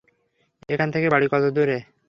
এখান থেকে বাড়ি কত দূরে?